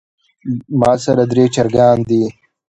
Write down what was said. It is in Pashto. ماسره درې چرګان دي